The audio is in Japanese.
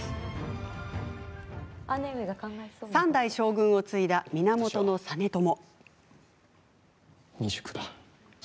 ３代将軍を継いだ源実朝。